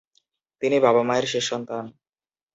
তিনি বাবা-মায়ের শেষ সন্তান।